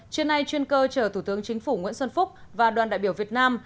trên này chuyên cơ chở thủ tướng chính phủ nguyễn xuân phúc và đoàn đại biểu việt nam